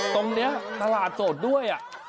ตรงเนี้ยตลาดโสดด้วยอะ